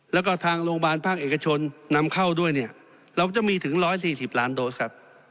แล้วก็ทางโรงพยาบาลภาคเอกชนนำเข้าด้วยเนี่ยเราจะมีถึง๑๔๐ล้านโดสครับ